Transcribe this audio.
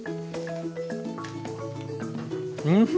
うん！